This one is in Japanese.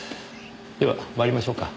では参りましょうか。